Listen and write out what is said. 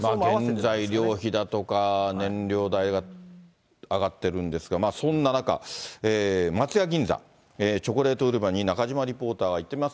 原材料費だとか、も上がってるんですが、そんな中、松屋銀座、チョコレート売り場に中島リポーターが行ってます。